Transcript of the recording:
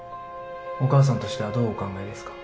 お母さんとしてはどうお考えですか？